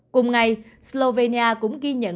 cùng ngày slovenia cũng ghi nhận